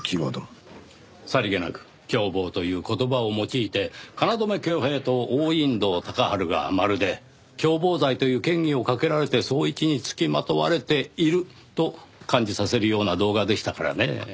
さりげなく共謀という言葉を用いて京匡平と王隠堂鷹春がまるで共謀罪という嫌疑をかけられて捜一に付きまとわれていると感じさせるような動画でしたからねぇ。